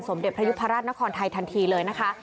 เด็จพระยุพราชนครไทยทันทีเลยนะคะ